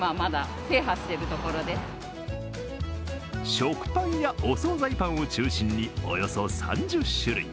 食パンやお総菜パンを中心におよそ３０種類。